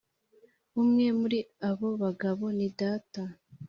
umwe muri abo bagabo ni data. ”—